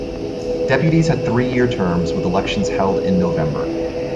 Deputies had three year terms, with elections held in November.